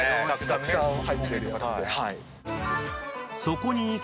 たくさん入ってるやつで。